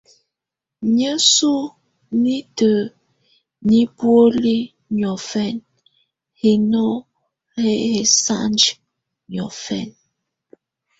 Niǝ́suǝ́ nitǝ́ nɛ buoli niɔfɛna, hino hɛ hɛsanhɛ niɔfɛna.